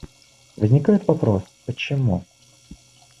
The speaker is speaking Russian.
Возникает вопрос, почему?